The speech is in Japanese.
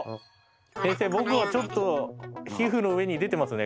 先生僕はちょっと皮膚の上に出てますね。